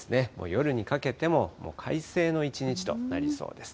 夜にかけても快晴の一日となりそうです。